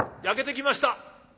焼けてきました」。